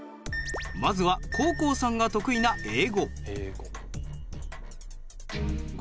まずは黄皓さんが得意な英語。